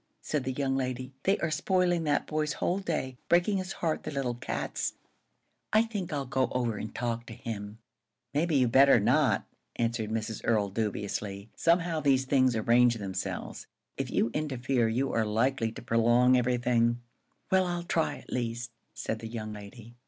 said the young lady. "They are spoiling that boy's whole day, breaking his heart, the little cats! I think I'll go over and talk to him." "Maybe you had better not," answered Mrs. Earl, dubiously. "Somehow these things arrange themselves. If you interfere, you are likely to prolong everything." "Well, I'll try, at least," said the young lady.